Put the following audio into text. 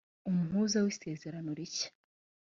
umuhuza w isezerano rishya